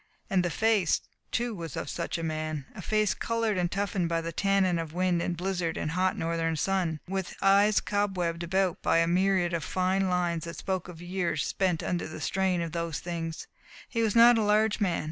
And the face, too, was of such a man; a face coloured and toughened by the tannin of wind and blizzard and hot northern sun, with eyes cobwebbed about by a myriad of fine lines that spoke of years spent under the strain of those things. He was not a large man.